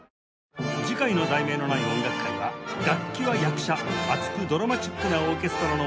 次回の『題名のない音楽会』は「楽器は役者！熱くドラマチックなオーケストラの音楽会前編」